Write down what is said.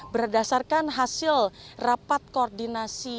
berdasarkan hasil rapat koordinasi